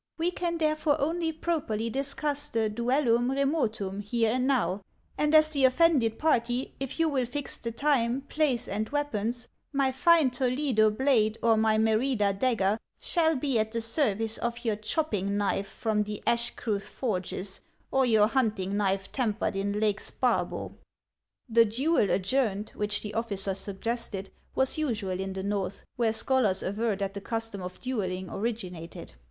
We can therefore only properly discuss the duellum remo tum here and now, and as the offended party if you will 62 HANS OF ICELAND. tix the time, place, and weapons, my fine Toledo blade or my Merida dagger shall be at the service of your chopping kuife from the Ashkreuth forges or your hunting knife tempered in Lake Sparbo." The " duel adjourned," which the officer suggested was usual in the North, where scholars aver that the custom of duelling originated.